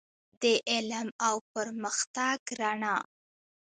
د علم او پرمختګ رڼا.